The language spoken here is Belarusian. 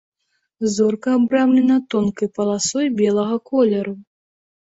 Зорка абрамлена тонкай паласой белага колеру.